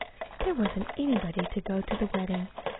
There wasn't anybody to go to the wedding.